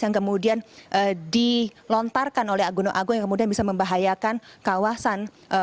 yang kemudian dilontarkan oleh gunung agung yang kemudian bisa membahayakan kawasan